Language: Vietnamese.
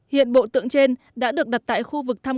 hiện bộ tượng trên đã được đặt tại khu vực thăm